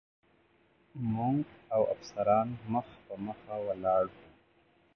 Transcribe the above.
موږ او افسران مخ په مخ ولاړ و.